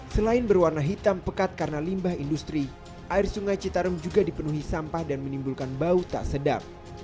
selain berwarna hitam pekat karena limbah industri air sungai citarum juga dipenuhi sampah dan menimbulkan bau tak sedap